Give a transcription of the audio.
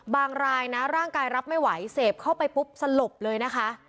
รายนะร่างกายรับไม่ไหวเสพเข้าไปปุ๊บสลบเลยนะคะ